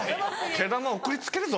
毛玉送りつけるぞ。